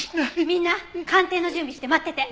みんな鑑定の準備して待ってて！